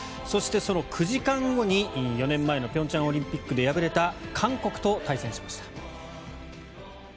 そしてその９時間後に４年前の平昌オリンピックで敗れた韓国と対戦しました。